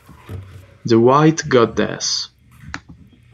The White Goddess